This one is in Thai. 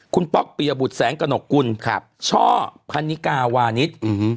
คุณป๊อกปียบุตรแสงกระหนกกุลช่อพันนิกาวานิส